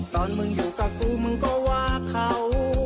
ตอนมึงอยู่กับกูมึงก็ว่าเขา